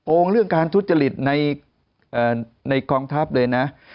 งเรื่องการทุจริตในกองทัพเลยนะ